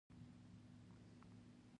مینه دې پاتې شي.